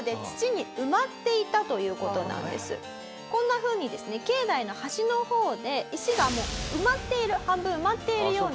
こんなふうにですね境内の端の方で石が埋まっている半分埋まっているような。